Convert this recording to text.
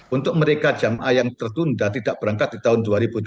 untuk mereka jemaah yang tertunda tidak berangkat di tahun dua ribu dua puluh